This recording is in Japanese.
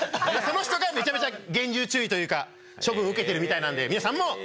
その人がめちゃめちゃ厳重注意というか処分を受けているみたいなので皆さんも。